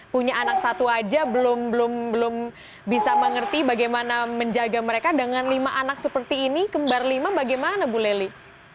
punya anak satu aja belum bisa mengerti bagaimana menjaga mereka dengan lima anak seperti ini kembar lima bagaimana bu leli